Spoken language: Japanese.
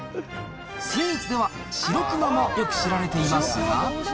スイーツではしろくまもよく知られていますが。